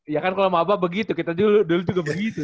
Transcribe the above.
ya kan kalau mau apa begitu kita dulu juga begitu